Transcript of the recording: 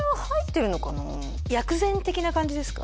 薬膳的な感じですか？